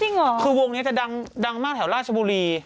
หรอคือวงนี้จะดังมากแถวราชบุรี